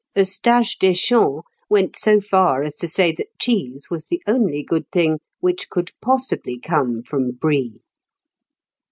Eustache Deschamps went so far as to say that cheese was the only good thing which could possibly come from Brie.